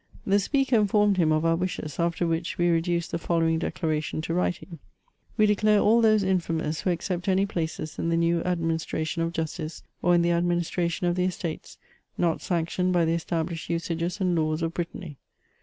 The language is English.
The speaker informed him of our wishes, after which we reduced the following declaration to writing: — "We declare all those infamous, who accept any places in the new administration of justice, or in the administration of the Estates, not sanctioned by the established usages and laws of Brittany.''